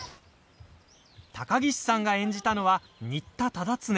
高岸さんが演じたのは仁田忠常。